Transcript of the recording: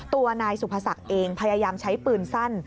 ตัวนายสุภศักดิ์เองพยายามใช้ปืนสั้น